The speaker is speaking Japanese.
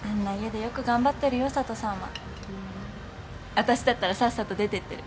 あたしだったらさっさと出てってる。